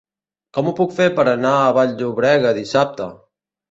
Com ho puc fer per anar a Vall-llobrega dissabte?